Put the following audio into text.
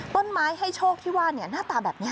ต้นไม้ให้โชคที่ว่าหน้าตาแบบนี้